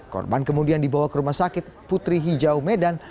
korban kemudian dibawa ke rumah sakit putri hijau medan